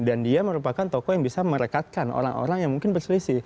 dan dia merupakan tokoh yang bisa merekatkan orang orang yang mungkin berselisih